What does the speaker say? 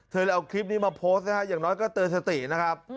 เธอจะเอาคลิปนี้มาโพสต์นะครับอย่างน้อยก็เตยสตินะครับ